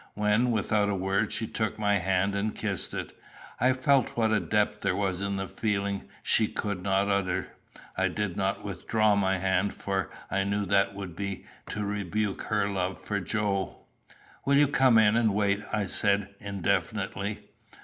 When without a word she took my hand and kissed it, I felt what a depth there was in the feeling she could not utter. I did not withdraw my hand, for I knew that would be to rebuke her love for Joe. "Will you come in and wait?" I said indefinitely.